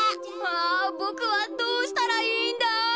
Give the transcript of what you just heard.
ああぼくはどうしたらいいんだ。